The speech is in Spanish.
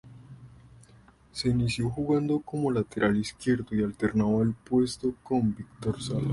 Se inició jugando como lateral izquierdo y alternaba el puesto con Víctor Salas.